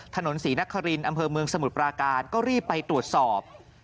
ถนนศรีนครินอำเภอเมืองสมุทรปราการก็รีบไปตรวจสอบ